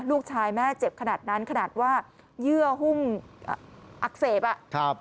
ลูกชายแม่เจ็บขนาดนั้นขนาดว่าเยื่อหุ้มอักเสบอ่ะครับ